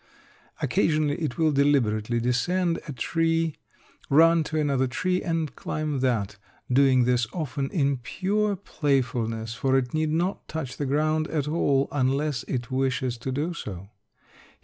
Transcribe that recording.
Occasionally it will deliberately descend a tree, run to another tree and climb that; doing this often in pure playfulness; for it need not touch the ground at all, unless it wishes to do so.